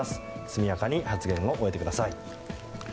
速やかに発言を終えてください。